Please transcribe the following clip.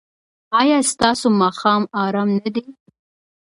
ایا ستاسو ماښام ارام نه دی؟